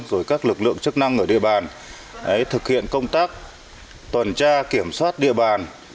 rồi các lực lượng chức năng ở địa bàn thực hiện công tác tuần tra kiểm soát địa bàn